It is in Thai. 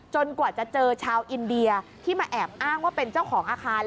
กว่าจะเจอชาวอินเดียที่มาแอบอ้างว่าเป็นเจ้าของอาคาร